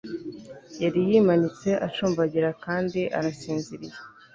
Yari yimanitse acumbagira kandi arasinziriye